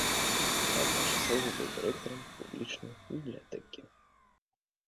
Адначасова быў дырэктарам публічнай бібліятэкі.